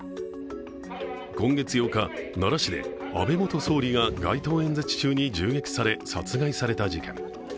今月８日、奈良市で安倍元総理が街頭演説中に銃撃され殺害された事件。